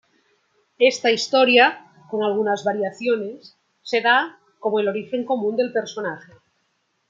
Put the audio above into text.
Esta historia, con algunas variaciones, se da como el origen común del personaje.